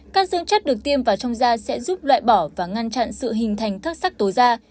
các dưỡng chất được tiêm vào trong da sẽ giúp loại bỏ và ngăn chặn sự hình thành các sắc tố da